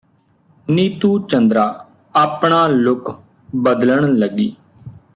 ਨੀਤੂ ਚੰਦਰਾ ਆਪਣਾ ਲੁੱਕ ਬਦਲਣ ਲੱਗੀ